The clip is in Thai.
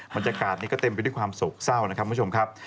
บรรยากาศนี้ก็เต็มไปด้วยความโศกเศร้านะครับคุณผู้ชมครับ